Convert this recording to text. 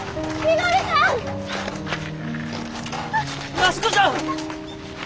安子ちゃん！